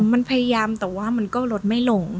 มันพยายามแต่ว่ามันก็ลดไม่ลง